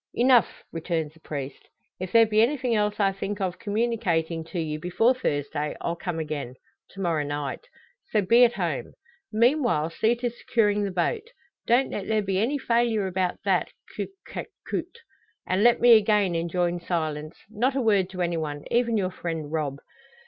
"Enough!" returns the priest. "If there be anything else I think of communicating to you before Thursday I'll come again to morrow night. So be at home. Meanwhile, see to securing the boat. Don't let there be any failure about that, coute que coute. And let me again enjoin silence not a word to any one, even your friend Rob.